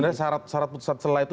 jadi seharusnya syarat putusan selah itu